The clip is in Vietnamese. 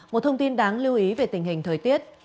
một thông tin đáng lưu ý về tình hình thời tiết